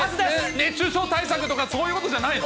熱中症対策とか、そういうことじゃないの？